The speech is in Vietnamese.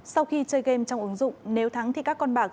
sau khi chơi game trong ứng dụng nếu thắng thì các con bạc